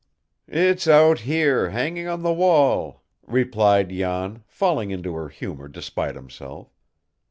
"It's out here, hanging on the wall," replied Jan, falling into her humor despite himself.